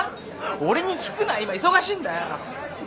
俺に聞くな今忙しいんだよ。